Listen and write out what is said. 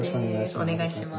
お願いします。